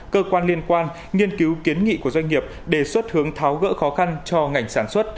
cơ quan liên quan nghiên cứu kiến nghị của doanh nghiệp đề xuất hướng tháo gỡ khó khăn cho ngành sản xuất